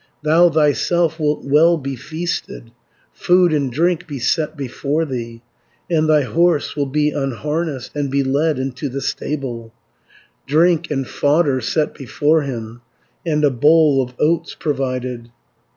170 Thou thyself wilt well be feasted, Food and drink be set before thee, And thy horse will be unharnessed, And be led into the stable, Drink and fodder set before him, And a bowl of oats provided.